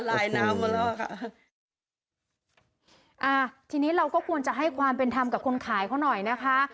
อ้าวทีนี้เราก็ควรจะให้ความเป็นทำกับคนขายเขาหน่อยนะคะ